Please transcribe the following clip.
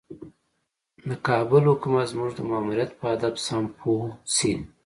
د کابل حکومت زموږ د ماموریت په هدف سم پوه شي.